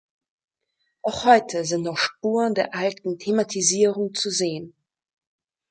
Auch heute sind noch Spuren der alten Thematisierung zu sehen.